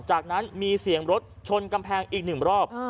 จากนั้นมีเสียงรถชนกำแพงอีกหนึ่งรอบ